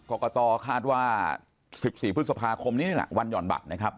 กรกตคาดว่า๑๔พฤษภาคมนี้นี่แหละวันหย่อนบัตรนะครับ